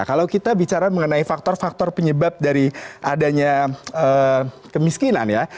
kalau kita bicara mengenai faktor faktor penyebab dari adanya kemiskinan ya